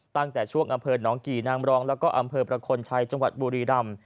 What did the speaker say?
ตั้งแต่ช่วงอำเภอน้องกี่นางบรองและอำเภอประคนชัยบุรีรำ